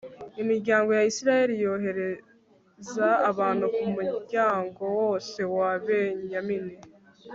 imiryango ya israheli yohereza abantu ku muryango wose wa benyamini